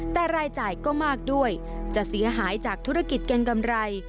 แต่รายจ่ายก็มากด้วยจะเสียหายจากธุรกิจแกงกำไร